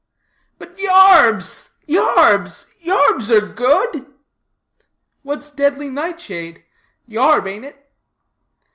"But yarbs, yarbs; yarbs are good?" "What's deadly nightshade? Yarb, ain't it?"